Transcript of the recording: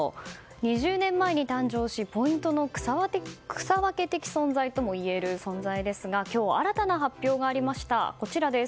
２０年前に誕生し、ポイントの草分け的存在ともいえる存在ですが今日、新たな発表がありました。